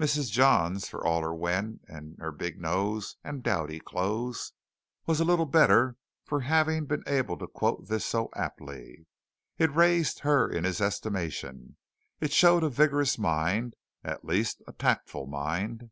Mrs. Johns, for all her wen and her big nose and dowdy clothes, was a little better for having been able to quote this so aptly. It raised her in his estimation. It showed a vigorous mind, at least a tactful mind.